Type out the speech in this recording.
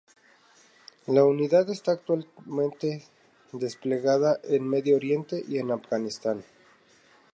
La Unidad está actualmente desplegada en Medio Oriente y en Afganistán.